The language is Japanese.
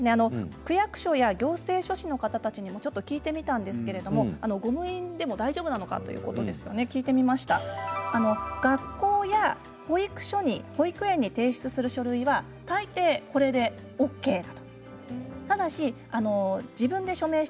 区役所や行政書士の方たちにも聞いてみたんですけれどゴム印でも大丈夫ですか？ということなんですけれど学校や保育所に保育園に提出する書類は大抵これでＯＫだということなんです。